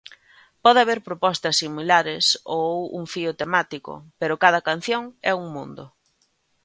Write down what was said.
Pode haber propostas similares ou un fío temático, pero cada canción é un mundo.